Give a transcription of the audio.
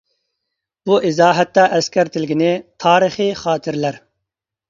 بۇ ئىزاھاتتا ئەسكەرتىلگىنى «تارىخىي خاتىرىلەر» .